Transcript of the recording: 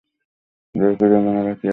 জোর করিয়া মনে রাখিয়াছিল।